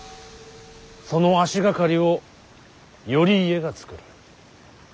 その足掛かりを頼家が作る。